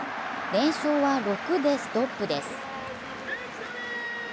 連勝は６でストップです。